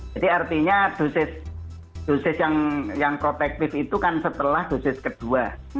jadi artinya dosis yang protektif itu kan setelah dosis kedua